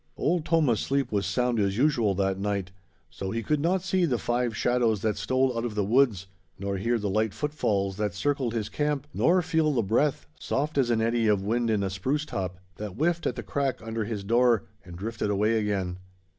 Old Tomah's sleep was sound as usual that night; so he could not see the five shadows that stole out of the woods, nor hear the light footfalls that circled his camp, nor feel the breath, soft as an eddy of wind in a spruce top, that whiffed at the crack under his door and drifted away again.